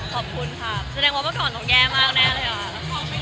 ขอบคุณค่ะแสดงว่าเมื่อก่อนเราแย่มากแน่เลยค่ะ